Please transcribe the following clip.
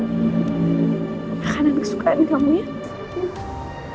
makanan kesukaan kamu ya